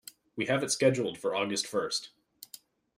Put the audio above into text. We have it scheduled for August first.